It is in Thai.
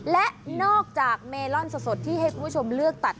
และนอกจากเมลอนสดที่ให้คุณผู้ชมเลือกตัด